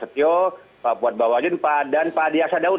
pak ketio pak buat bawajin pak dan pak adiasa daud